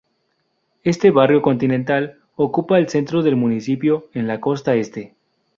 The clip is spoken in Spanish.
Este barrio, "continental", ocupa el centro del municipio en la costa este.